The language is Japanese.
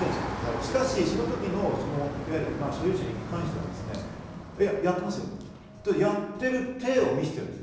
しかし、その時の所有者に関しては、やってますよと、やってる体を見せている。